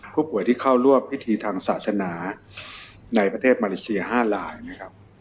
ผู้ป่วยที่เข้าร่วมพิธีทางศาสนาในประเทศมาเลเซีย๕ลายนะครับ